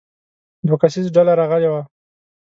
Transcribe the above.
دوه کسیزه ډله راغلې وه.